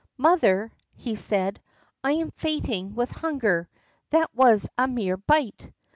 "Mother," he said, "I am fainting with hunger. That was a mere bite."